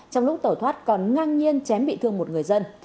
trong lúc tẩu thoát còn ngang nhiên chém bị thương một người dân